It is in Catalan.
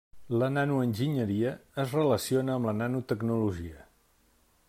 La nanoenginyeria es relaciona amb la nanotecnologia.